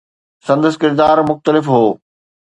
سندس ڪردار مختلف هو.